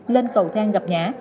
lên cầu thang gặp nhã